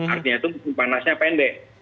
artinya itu panasnya pendek